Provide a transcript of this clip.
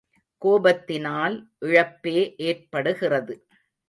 கோபத்தினால் இழப்பே ஏற்படுகிறது.